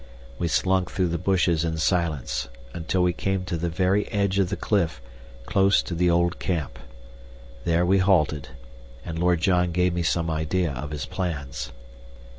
We slunk through the bushes in silence until we came to the very edge of the cliff, close to the old camp. There we halted, and Lord John gave me some idea of his plans.